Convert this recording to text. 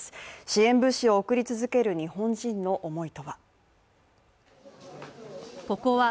支援物資を送り続ける日本人の思いとは。